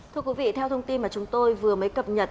thưa quý vị theo thông tin mà chúng tôi vừa mới cập nhật